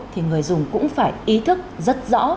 thì người dùng cũng phải ý thức rất rõ